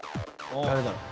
「誰だろう？」